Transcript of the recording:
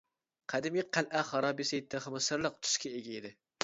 قەدىمىي قەلئە خارابىسى تېخىمۇ سىرلىق تۈسكە ئىگە ئىدى.